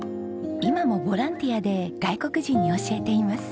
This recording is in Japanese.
今もボランティアで外国人に教えています。